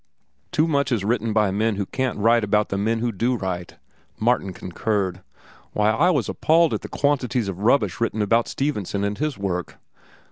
"Too much is written by the men who can't write about the men who do write," Martin concurred. "Why, I was appalled at the quantities of rubbish written about Stevenson and his work."